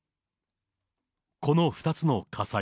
この２つの火災。